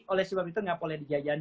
oleh sebab itu tidak boleh dijajan